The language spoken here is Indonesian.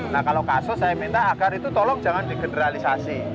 nah kalau kasus saya minta agar itu tolong jangan digeneralisasi